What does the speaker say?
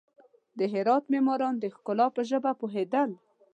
د هرات معماران د ښکلا په ژبه پوهېدل.